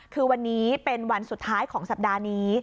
คือวันนี้เป็นวันสุดท้ายของสัปดาห์นี้